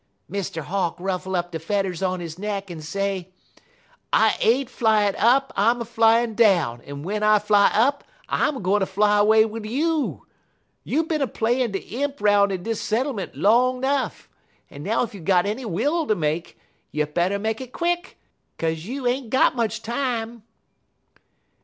"Mr. Hawk ruffle up de fedders on his neck en say: "'I ain't flyin' up, I'm a flyin' down, en w'en I fly up, I'm a gwine ter fly 'way wid you. You bin a playin' de imp 'roun' in dis settlement long 'nuff, en now ef you got any will ter make, you better make it quick, 'kaze you ain't got much time.'